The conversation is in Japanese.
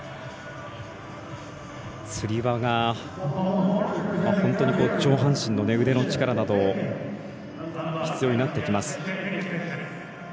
つり輪が本当に上半身の腕の力だと必要になってきます。